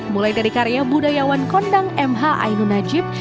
mulai dari karya budayawan kondang mh ainun najib